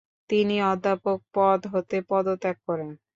তিনি অধ্যাপক পদ হতে পদত্যাগ করেন।